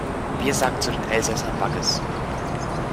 Wir sagen zu den Elsässern Waggis.